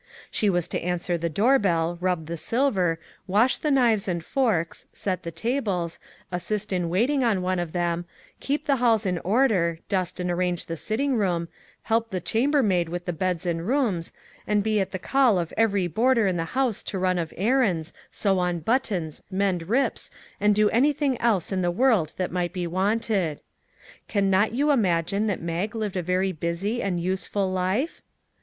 She was to answer the door bell, rub the silver, wash the knives and forks, set the tables, assist in waiting on one of them, keep the halls in order, dust and arrange the sitting room, help the chambermaid with the beds and rooms, and be at the call of every boarder in the house to run of errands, sew on buttons, mend rips, and do anything else in the world that might be wanted. Can not you im agine that Mag lived a very busy and useful life?